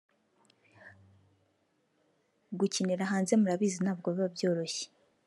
Gukinira hanze murabizi ntabwo biba byoroshye